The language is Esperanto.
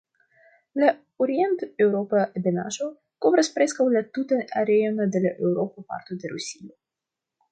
La orienteŭropa ebenaĵo kovras preskaŭ la tutan areon de la eŭropa parto de Rusio.